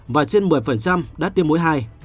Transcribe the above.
và trên một mươi đã tiêm mũi hai